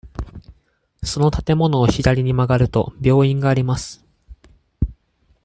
その建物を左に曲がると、病院があります。